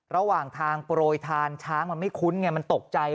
ระหว่างทางโปรยทานช้างมันไม่คุ้นไงมันตกใจ